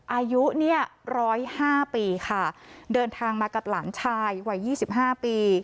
อายุ๑๐๕ปีค่ะเดินทางมากับหลานชายวัย๒๕ปี